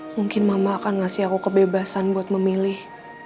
mungkin mama akan ngasih aku kebebasan buat memilih